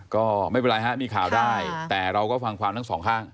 ก็ไม่เป็นไรฮะมีข่าวได้แต่เราก็ฟังความทั้งสองข้าง